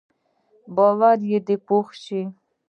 باور دې پوخ شي.